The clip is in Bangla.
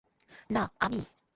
না, আমি!